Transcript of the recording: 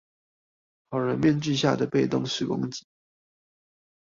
好人面具下的被動式攻擊